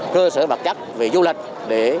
cơ sở vật chất về du lịch để